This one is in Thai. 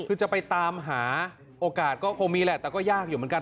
คือจะไปตามหาโอกาสก็คงมีแหละแต่ก็ยากอยู่เหมือนกัน